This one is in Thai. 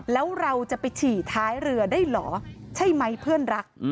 แล้วเราจะไปฉี่ท้ายเรือได้เหรอใช่ไหมเพื่อนรัก